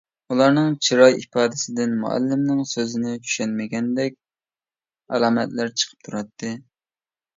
ئۇلارنىڭ چىراي ئىپادىسىدىن مۇئەللىمنىڭ سۆزىنى چۈشەنمىگەندەك ئالامەتلەر چىقىپ تۇراتتى.